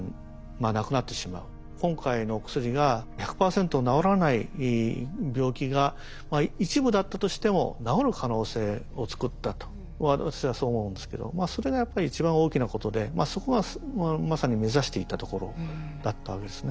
今回のお薬が１００％治らない病気が一部だったとしても治る可能性を作ったと私はそう思うんですけどそれがやっぱり一番大きなことでそこがまさに目指していたところだったわけですね。